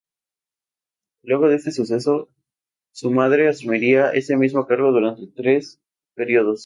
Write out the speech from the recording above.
Luego de este suceso su madre asumiría ese mismo cargo durante tres periodos.